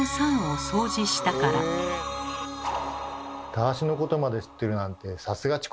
たわしのことまで知ってるなんてさすがチコちゃん！